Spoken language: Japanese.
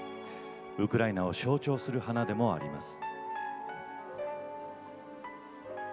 ウクライナを象徴する花でもあります。